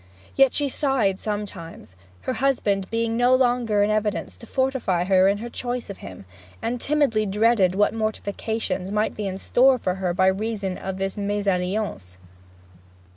Yet she sighed sometimes her husband being no longer in evidence to fortify her in her choice of him and timidly dreaded what mortifications might be in store for her by reason of this mesalliance.